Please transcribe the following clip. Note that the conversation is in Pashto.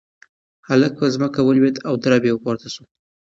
هلک په ځمکه ولوېد او درب یې پورته شو.